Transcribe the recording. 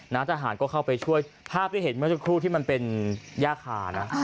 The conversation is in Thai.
นัททหารก็เข้าไปช่วยภาพได้เห็นไม่ว่าคือที่มันเป็นญาคารเนอะ